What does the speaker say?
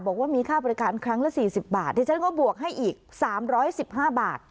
บอกว่ามีค่าบริการครั้งละสี่สิบบาทดิฉันก็บวกให้อีกสามร้อยสิบห้าบาท